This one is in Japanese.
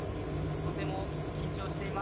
とても緊張しています。